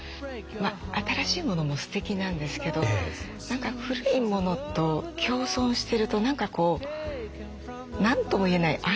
新しいものもすてきなんですけど何か古いものと共存してると何かこう何とも言えない安心感が得られる。